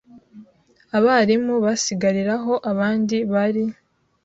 Abarimu basigariraho abandi bari